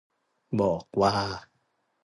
บอกว่า